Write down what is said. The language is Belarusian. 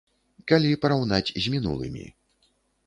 Калі параўнаць з мінулымі.